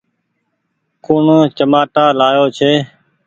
ڪوڻ چمآٽآ لآيو ڇي۔